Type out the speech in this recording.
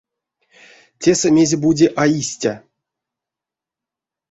Тесэ мезе-бути а истя.